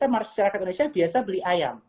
masyarakat indonesia biasa beli ayam